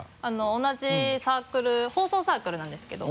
同じサークル放送サークルなんですけど。